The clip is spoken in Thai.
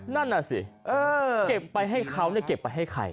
นั่นน่ะสิเก็บไปให้เขาเก็บไปให้ใคร